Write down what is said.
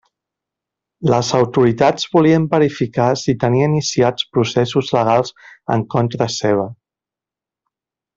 Les autoritats volien verificar si tenia iniciats processos legals en contra seva.